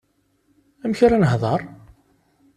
Amek ara nehdeṛ?